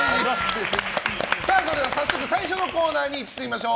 それでは早速最初のコーナーにいきましょう。